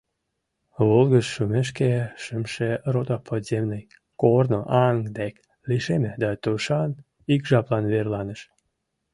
Волгыж шумешке шымше рота подземный корно аҥ дек лишеме да тушан ик жаплан верланыш.